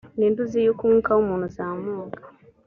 ni nde uzi yuko umwuka w umuntu uzamuka